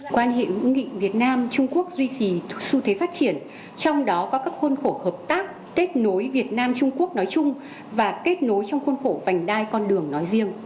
quan hệ hữu nghị việt nam trung quốc duy trì xu thế phát triển trong đó có các khuôn khổ hợp tác kết nối việt nam trung quốc nói chung và kết nối trong khuôn khổ vành đai con đường nói riêng